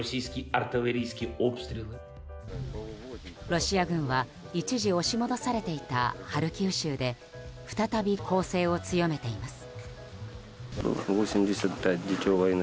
ロシア軍は一時押し戻されていたハルキウ州で再び攻勢を強めています。